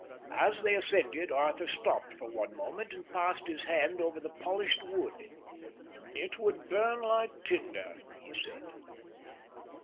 As they ascended, Arthur stopped for one moment and passed his hand over the polished wood. "It would burn like tinder," he said.